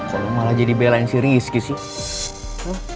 kalau malah jadi belain si rizky sih